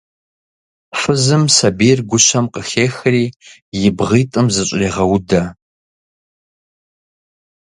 Фызым сабийр гущэм къыхехри, и бгъитӏым зыщӏрегъэудэ.